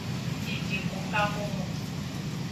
Jijixukaxomo.